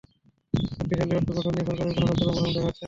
শক্তিশালী ঐক্য গঠন নিয়েও সরকারের কোনো কার্যকর পদক্ষেপ দেখা যাচ্ছে না।